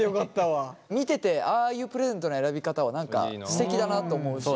見ててああいうプレゼントの選び方は何かすてきだなと思うし。